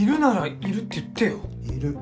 いる。